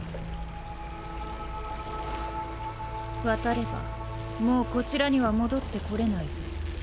渡ればもうこちらには戻ってこれないぞ。